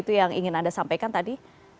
itu yang ingin anda sampaikan tadi